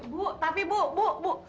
bu tapi bu bu